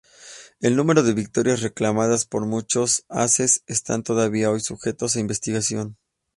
El número de victorias reclamadas por muchos ases están todavía hoy sujetos a investigación.